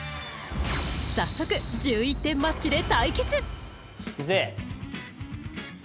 早速１１点マッチで対決いくぜ！